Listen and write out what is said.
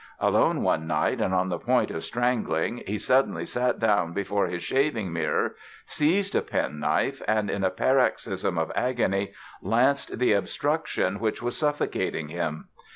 Alone one night and on the point of strangling he suddenly sat down before his shaving mirror, seized a pen knife and, in a paroxysm of agony, lanced the obstruction which was suffocating him.